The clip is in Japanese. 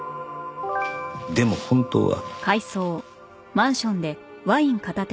でも本当は。